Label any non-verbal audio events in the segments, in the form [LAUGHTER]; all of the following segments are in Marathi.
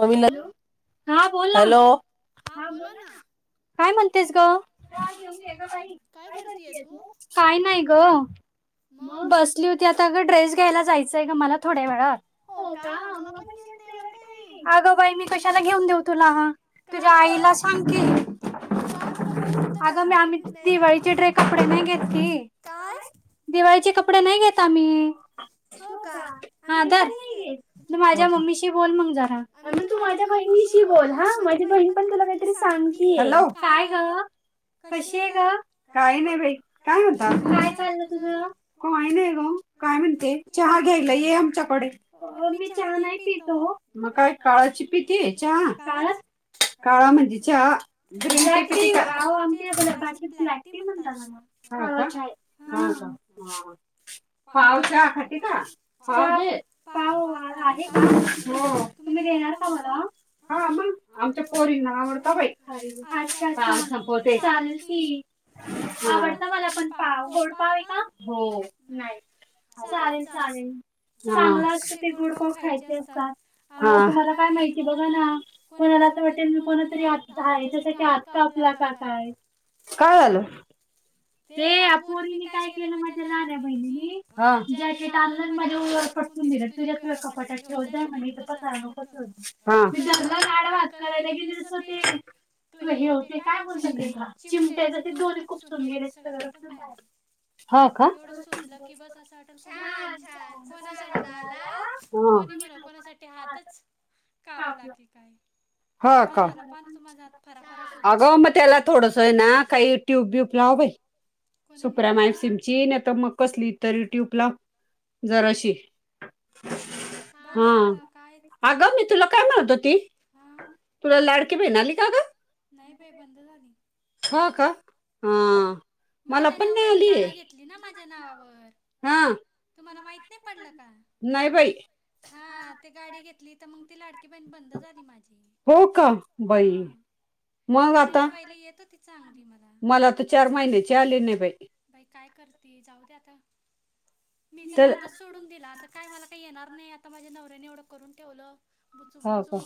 हॅलो बोलन हॅलो हा ह बोला ना बोलाना काय म्हणतेस ग बाई काय करतेय तू काय नाही ग? मग बसली होती आता गं ड्रेस घ्यायला जायचंय ग मला थोड्या वेळात. हो का मला मग पण घेऊन पैशे दे बर काही अग बाई मी कशाला घेऊन देऊ तुला हा का तुझ्या आईला ग सांग की. का तुला बोर होतं का अगं मी मला आम्ही घेऊन द्यायला दिवाळीचे रे कपडे नाही घेतले. काय दिवाळीचे कपडे नाही घेता आम्ही हो का आम्ही हा पण धर नाही घेत माझ्या मम्मीशी बोल मग मग तू माझ्या बहिणीशी बोल हा माझी बहीण पण तुला काहीतरी सांगती आहे काय ग? कशी आहे ग काही नाही बाई काय म्हणता काय चाललं तुझ काही नाही ग‌ काय म्हणते चहा घ्यायला ये आमच्याकडे मी चहा नाही पित अहो मग काय. काळाची पिती चहा काळ काळच काळा म्हणजे चहा ब्लॅक टी अहो आमच्या भल्या भाषेत ब्लॅक टी म्हणतात त्याला ना. हा पाव चहा खाती का? चहा पाव वा आहे का हो तुम्ही देणार का मला? हा मग आमच्या पोरींना आवडत बाई अच्छा अच्छा चाहा चपाती हा चालेल की चालती. आवडत मला पण पाव गोड पाव आहे का हो नाही. चालेल, चालेल चांगला असत ते गोड पाव खायचे असतात. तुमला काय माहिती बघा ना कोणाला असं वाटेल मी कोणातरी आ त्यासाठी आत का आप करता काय झालं? ते या पोरीने काय केलं माझ्या लहान्या लहान बहिणी बहिणीनी नी जॅकेट आणलं आणि माझ माझ्या उरावर पटकून पटकुन दिलं. मंदर तुझ्या तूझ्या कपाटात कपटात ठेवत जाय जा म्हणे. इथं पसारा नको हो ठेवत जाऊ मी धरलं जंगला आणि आड आडवा हात भात करायला गेली जसं गेलस अ ते. आपलं हे होते काय बोलतात ते बोलत चिमटे जसे चिमट्याच दोन्ही दोरी खूप खुपसून सुन गेले ते गेली सगळं रक्तच तिथ. बाहेर आलं एवढं सुजलं की बस असं वाटल छान छान कोणा म्हणाला म कोना साठी हातच कापला की काय. ह केवढा का झाला पान तुम्हाला हात फरा फरा सुजून अग मग त्याला थोडस आहे ना काही ट्यूब्यूब या बाई कोणी सुप्रिया माई म्हणल सिमची नाही तर मग कसली? तर युट्यूबला जराशी बघू हा आता काय अगं मी तुला काय म्हणत होती? हा तुला लाडकी बहीण आली का ग? नाही बाई बंद झाली हो का हं. माझ्या नवऱ्यानी गाडी घेतली ना माझ्या नावावर. हा तुम्हाला माहित नाही पडल का नाही बाई हां ते गाडी घेतली तर मग ती पण बंद झाली माझी हो का बाई हां. मग नाही तर आता पहिले येत होती चांगली मला. चालेना बाई. काय करती जाऊ दे आता मी तर नादच सोडून दिला आता काय मला काही येणार नाही, आता माझ्या नवऱ्याने एवढं करून ठेवलं हो का बुचू-बुचू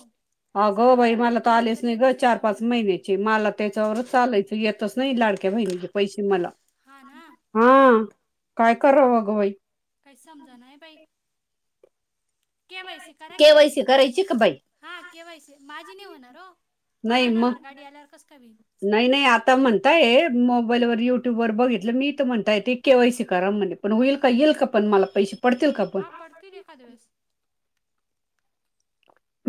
अगं बाई मला तर आलेच नाही ग चार, जेवढे पाच ना तेवढे महिन्याचे मला त्याच्यावरच चालायच येतच नाही लाडकी लाडक्या बहिणीचे पैसे मला हा ना हां काय कराव गं बाई? काय समजना इ बाई. के वाय सी करा की केवायसी करायची का बाई? हा केवायसी माझी नाही होणार हो, नाही माझ्या मग नावावर गाडी आल्यावर कसं काय होईल? नाही नाही आता म्हणताय मोबाईल वर युट्यूब वर बघितलं मी तर म्हणताय ते केवायसी करा म्हणे. पण होईल का येईल का पण मला पैसे? पडतील का पण हा पडती देेखादया दिवस.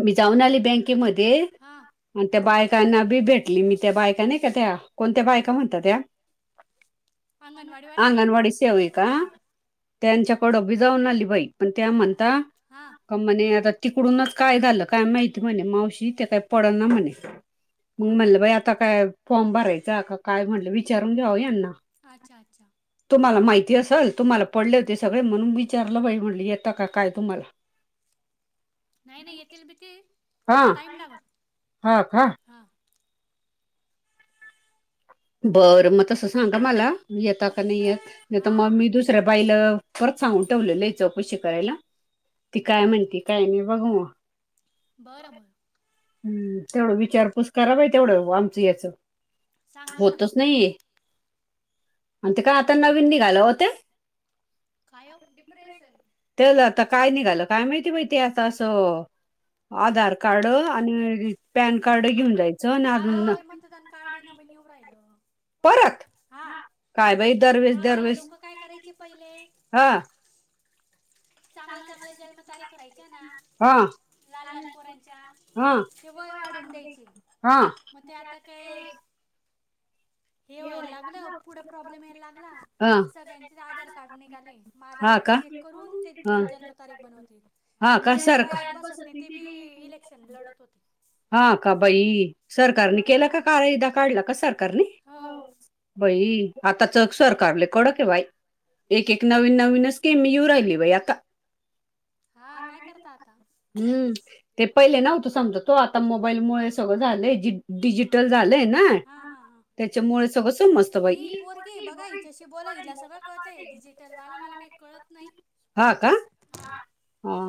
मी जाऊन आली बँकेमध्ये हा आणि त्या बाय कना बी भेटली मी त्या बायका नाही का, त्या कोणत्या बायका म्हणता त्या? अंगणवाडीवाल्या अंगणवाडी सेविका हा त्यांच्याकडं बी जाऊन आली बाई, पण त्या म्हणता हा का म्हणे आता तिकडूनच काय झालं काय माहिती म्हणे, मावशी ते काय पडना म्हणे मग हा म्हनलं बाई आता काय? फॉर्म भरायचा का काय म्हटलं? विचारून घेऊ यांना अच्छा अच्छा तुम्हाला माहिती असलं तुम्हाला पडले ते सगळे म्हणून, विचारलं बाई म्हटली येतं का काय तुम्हाला? नाही नाही, येतील बितील. हा हा, का? हां बरं मग तस सांगा मला येता का नाही येत नाही, तर मग हां मी दुसऱ्या बाईला परत सांगून ठेवलं आहे चौकशी करायला, ती काय म्हणती काय नाय बघू म. बरं. हम्म, तेवढं विचारपूस करा बाई तेवढं आमचं याच सांगाल ना होतच नाहीये. आणि ते काय, आता नवीन निघालं ओ ते? काय हो डिप्रेशन त्याला आता काय निघालं? काय माहिती, बाई ते आता असं आधार कार्ड आणि पॅन कार्ड घेऊन जायचं. आणि आवो अजून न- ते मतदान कार्ड नव येवून राहिले. परत? हा. काय बाई? दर वेळेस अहो दर हे वेळेस लोक काय करायचे पहिले हा चांगलं-चांगलं जन्म तारीख हां. लहान-लहान पोरांच्या ते वय वाढून द्यायचे हा मग ते आता ते [INAUDIBLE] हे व्हायला लागलं, पुढे प्रॉब्लेम यायला लागला, हा सगळ्यांचे आधार कार्ड निघाले, मग आधार हा का कार्डची ते करून ते हा जन्मतारीख बनवते हा आणि का जेंच सरकार वयात बसत नाही ते बी इलेक्शन लढत होते. हां का बाई सरकारन केला का कायदा काढला का सरकारने? हो बाई आता च सरकार लई कडक आहे बाई. एक एक नवीन नवीनच स्कीम येऊ राहिली बाई आता [UNINTELLIGIBLE] हा काय करता आता? हुं ते पहिले नव्हतं समजत वो आता मोबाईलमुळे सगळं झालंय, डिजिटल झाले. होय ना हा हा हा त्याच्यामुळे सगळं समजतं ही बाई पोरगी हाय बघा हिच्याशी बोला, हिला सगळं कळतय डिजिटल वालं मला काही कळत नाही हा का हा हा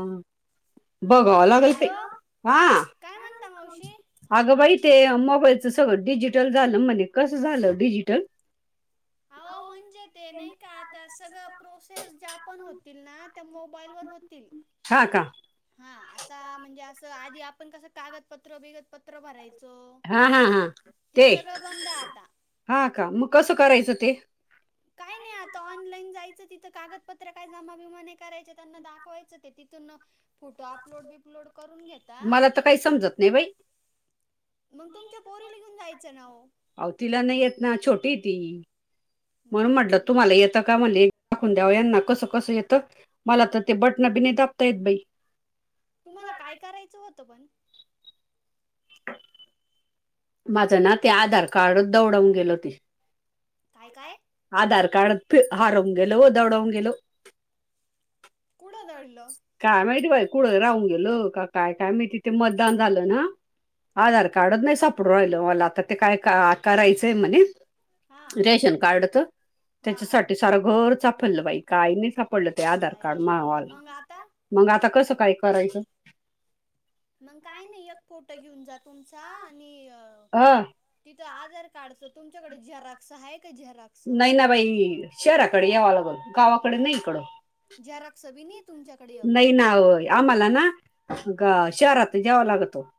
बघावं लागल ते हॅलो हा काय म्हणता मावशी अगं बाई ते मोबाइल च सगळं डिजिटल झालं म्हणे कसं झालं डिजिटल? आवो म्हणजे ते नाही का आता सगळं प्रोसेस ज्या पण होतील ना त्या मोबाईलवर होतील, हा का हा आता म्हणजे असं आ आधी आपण कसं कागदपत्र बिगतपत्र भरायच हा हा हा ते बंद आता काय नाय आता ऑनलाईन जायचं तिथ कागदपत्र काय जमा बीमा नाय करायचे त्यांना दाखवायच ते तिथून फोटो अपलोड बिपलोड करून घेता मला तर कायी समजत नाय बाई. मग तुमच्या पो आवो तिला नाही येत ना छोटी ती म्हणून म्हटलं बाई तुम्हाला येतं का म्हणले? दावु यांना कसं-कसं येतं, मला तर ते बटणं बि नाही दाबता येत बाई! तुम्हांला काय करायचं होतं पण? माझं ना ते आधार कार्डच दौडावून गेले होते. काय आधार कार्ड हारवून गेलो वो दौडावून गेलो. कुड दडलं? कुड राहून गेलं का काय काय माहिती ते मतदान झालं ना आधार कार्डच नाही सापडून राहिल मला आता ते काय करायचंय म्हणे. हा रेशन कार्डच हा हा त्याच्यासाठी सारं घर चापललं बाई काय नाही साप पडलं ते आधार कार्ड बाई म्हवाल मग आता मग आता कसं काय करायचं? मग काय नाही एक फोटो घेऊन जा तुमचा आणि हा जर आधार कार्ड च तुमच्याकडे झेरॉक्स आहेत? नाही ना बाई शहराकडे यावा लागलं, गावाकडे नाही इकडं जरा सबी नाही तुमच्याकडे एक नाही ना वो आम्हांला ना गा शहरातच यावं लागतो.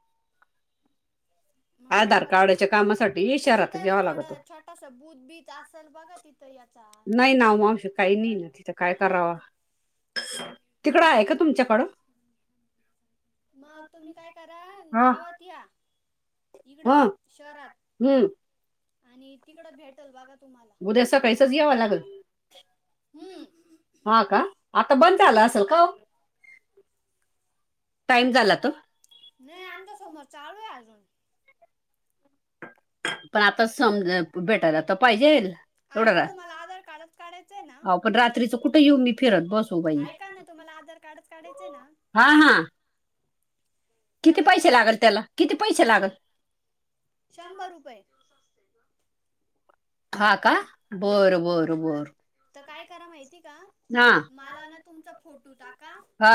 मंग काय आधार करा कार्डाच्या कामासाठी शहरात तिथं ना जावा लागतो थोडं छोटंस बूथ बीत असल बघा तिथं याचा नाई ना ओ मावशी काही नाई ना ति त काय कराव मग तिकडं आहे का तुमच्याकडं? मग तुम्ही काय करा हा गावात या इकडं हा शहरात हम्म आणि तिकड भेटल बघा तुम्हाला उद्या सकाळीसच यावा लागल. हम्म हुं हा का आता बंद झाल असल का ओ टाईम झालां त नाई आमच्या समोर चालू ये अजून. पण आता सम ज भेटायला त पाहिजेल. एवढा ऐका का तुम्हाला आधार कार्डच काढायचंय ना हो पण रात्रीच कुठ येऊ मी फिरत बस ऐका ना तुम्हाला आधार कार्डच काढायच ना. हा हा किती तर पैसे काय लागल, त्याला किती पैसे लागल. शंभर रुपये. हा का बरं बरं बर. त काय करा, माहितीय का हा मला ना तुमचा फोटू टाका. हा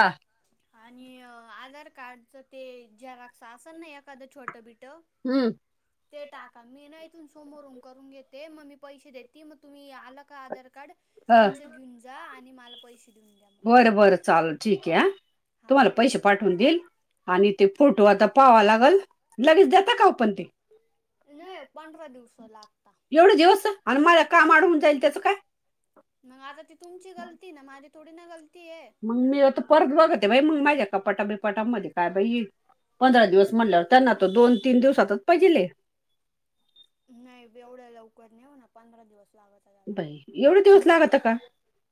आणि आधार कार्डच ते झेराक्स असल ना एखादं छोट बीट ट हम्म ते टाका मी ना इथून सोमोरूम करून घेते म मी पैसे देत ते म तुम्ही आला का आधार कार्ड हा तुमच घेऊन जा आणि मला पैसे देऊन द्या मग बरं बरं चालल ठीक ये हा हा तुम्हाला पैसे पाठवून देईल. आणि ते फोटो आता पाहावा लागल, लगेच देता का ओ ते. नाही पंधरा दिवस लागता. एवढे दिवस आणि मला काम आडवून जाईल त्याचं काय. मंग आता ती तुमची गलती ना माझी थोडी ना गल मंग मी आता परत बघते, बाई मंग माझ्या कपाटा बिपाटामध्ये काय बाई. पंधरा दिवस म्हणल्यावर त्यांना त दोन तीन दिवसातच पाहिजेलये. नाई एवढ्या लवकर नाई होणार पंधरा दिवस लागत त्याला बाई एवढे दिवस लागता का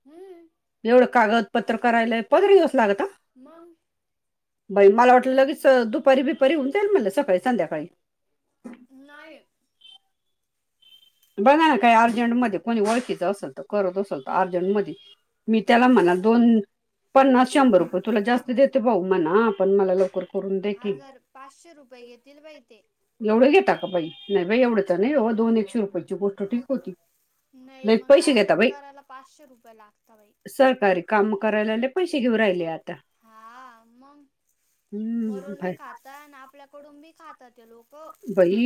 हम्म एवढं कागद पत्र करायलाय पग [UNINTELLIGIBLE] मंग. बई मला वाटलं लगेच दुपारी बिपारी होऊन जाईल म्हणल सकाळी संध्याकाळी. नाहीय. बघ ना काही अर्जंटमध्ये कोणी ओळखीच असेल तर करत असल तर अर्जंटमधी मी त्याला म्हणा दोन. पन्नास शंभर रुपये तुला जास्त देते, भाऊ म्हणा पण मला लवकर करून दे की हजार पाचशे रुपये घेतील बाई ते. नाय बाई एवढंट नाई ओ दोन एकशे रुपयाची गोष्ट ठीक होती. नाई लई मंग पैसे घेता अर्जंट बाई कराला पाचशे रुपये लागता बाई. सरकारी काम करायला लय पैसे घेऊ राहिले आ हा मग हम्म बर. कडून बी खाता ते लोक बई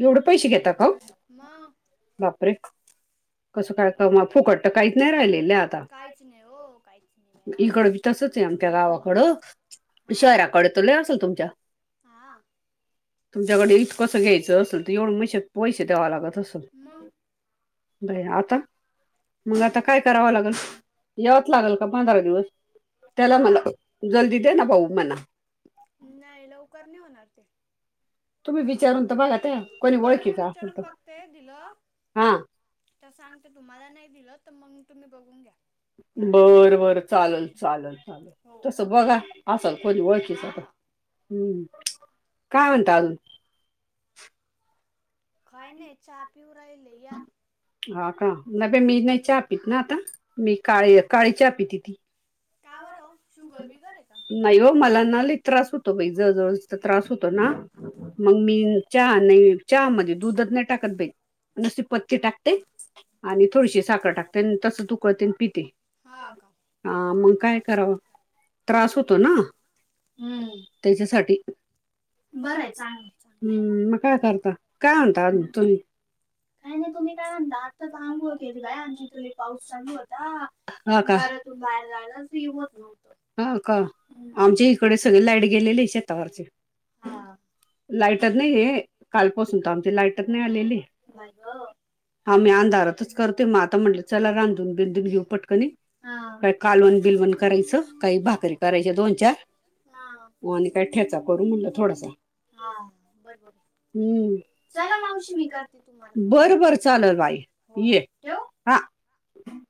एवढे पैसे घेता का ओ मग बाप रे! कसं काय क फुकटत काहीच नाय राहिलय. काहीच नाई हो काहीच नाई बया. गावाकड हा ना शहराकड त लय असल तुमच्या. हा तुमच्याकडे इथंकसं घ्यायचं असेल, तर एवढ मैसे पैसे द्यावा लागत मंग. बया आता. मग आता काय करावं लागेल, यावच लागेल का पंधरा दिवस. त्याला हा मला जलदी दे ना भाऊ मणा. नाही लवकर नाही होणार ते. तुम्ही विचारून तर बघा. त्या कोणी बर मी ओळखीचा असेल विचारून तर बघते दिलं हा तर सांगते. तुम्हाला नाही दिलं तर मग तुम्ही बघून घ्या. बर बरं चालेल चालेल. चाले हो तस बघा असल कोणी ओळखीच. हा हा हम्म काय म्हणत अजून. खाय नाही चहा पिऊराय ल या. हा का नाही ब मी नाही चा पीित ना आता मी काळी काळी चा पी त ती. का बरं शुगर बिगर आहे का नाही हो मला ना त्रास होत. ज जव त्रास होतो, ना मग मी च नाही, चहा मध्ये दुध नाही टाकत. नुसती पत्ती टाकते, आणि थोडीशी साखर टाकते आणि तसच उकळते आणी पिते. हा का हा, मग काय करावं? त्रास होतो ना, हम्म त्याच्यासाठी. बरं आहे बरय चांगलं चांगल, आहे चांगलं आहे हम्म,, मग काय करता? काय म्हणता अ तुम्ही? काही काय नाही तुम्ही काय म्हणता, आत्ताच आताच आंघोळ आंगोळ केली काय? बाय आमच्या आमची इथे लय तुला पाऊस चालू सांगू होता. होय का,, तू घरातून बाहेर रालाऽ जायलाच हे होत नव्हतं. हो का, आमच्या इकडे सगळे लाईट गेलेली आहे शेतावरचेऽ हा लायटर नाही हे, कालपासून तर आमचे लायटच नाही आलेलीऽ बाई ग हा मी अंधारातच करते, मग आता म्हटलं चला रांधून, बिंदधून घेऊ. कणी, हा का कालवण, बिलवण करायचं,, काही भाकरी, करायच दोन, चारऽ हा हो आणि काय ठ्याचा करू म्हणलं थोडासा. हा बरोबर आहे. हम्, चला मावशी मी करते, बर बर चालेल बाई, हो येऊ, ठेवू? हा, हम्,